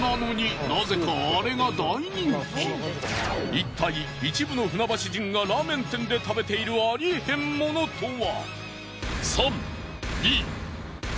いったい一部の船橋人がラーメン店で食べているありえへんモノとは？